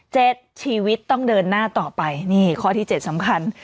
ชีวิตต้องเดินหน้าต่อไปนี่ข้อที่เจ็ดสำคัญ